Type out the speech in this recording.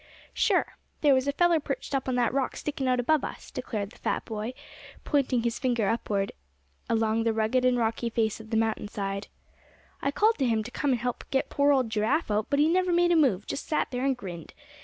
"Sure. There was a feller perched up on that rock stickin' out above us," declared the fat boy, pointing his finger upward along the rugged and rocky face of the mountain side; "I called to him to come and help get poor old Giraffe out; but he never made a move; just sat there, and grinned.